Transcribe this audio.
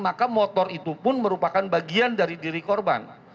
maka motor itu pun merupakan bagian dari diri korban